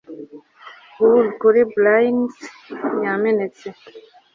huloo, kuri bryns yamenetse